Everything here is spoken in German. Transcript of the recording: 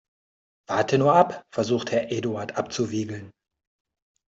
Warte nur ab, versucht Herr Eduard abzuwiegeln.